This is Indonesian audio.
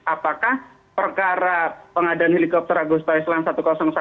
apakah perkara pengadaan helikopter aw satu ratus satu